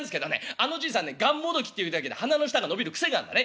あのじいさんね『がんもどき』って言うだけで鼻の下が伸びる癖があるんだね。